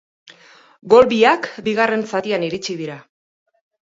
Gol biak bigarren zatian iritsi dira.